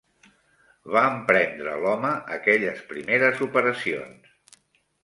Va emprendre l'home aquelles primeres operacions